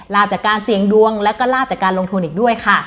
ลาบจากการเสี่ยงดวงแล้วก็ลาบจากการลงทุนอีกด้วยค่ะ